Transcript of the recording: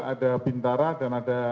ada bintara dan ada